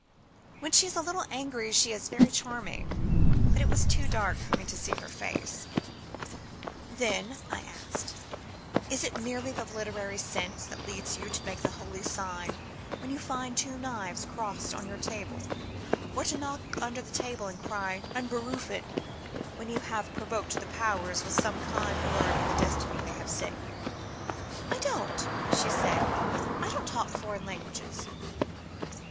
When she is a little angry she is very charming, but it was too dark for me to see her face. "Then," I asked, "it is merely the literary sense that leads you to make the Holy Sign when you find two knives crossed on your table, or to knock under the table and cry 'Unberufen' when you have provoked the Powers with some kind word of the destiny they have sent you?" "I don't," she said. "I don't talk foreign languages."